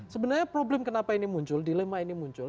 sebenarnya problem kenapa ini muncul dilema ini muncul